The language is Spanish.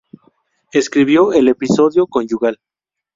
Escribió el episodio "Conyugal".